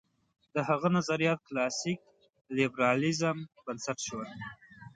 د هغه نظریات کلاسیک لېبرالېزم بنسټ شول.